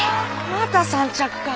また３着か。